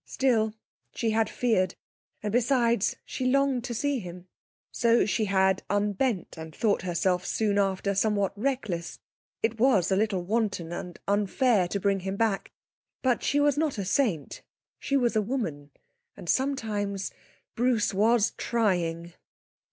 Still, she had feared. And besides she longed to see him. So she had unbent and thought herself soon after somewhat reckless; it was a little wanton and unfair to bring him back. But she was not a saint; she was a woman; and sometimes Bruce was trying....